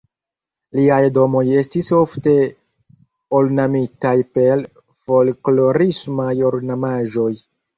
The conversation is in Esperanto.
Liaj domoj estis ofte ornamitaj per folklorismaj ornamaĵoj.